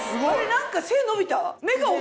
何か背伸びた？